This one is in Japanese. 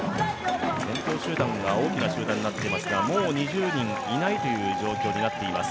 先頭集団が大きな集団になっていますが、もう２０人いないという状況になっています